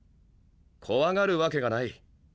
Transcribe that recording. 怖がるわけがない。